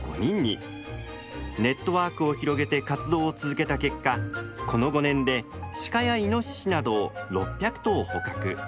ネットワークを広げて活動を続けた結果この５年でシカやイノシシなどを６００頭捕獲。